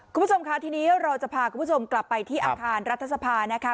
คุณผู้ชมค่ะทีนี้เราจะพาคุณผู้ชมกลับไปที่อาคารรัฐสภานะคะ